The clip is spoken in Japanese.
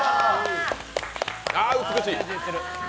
あ美しい！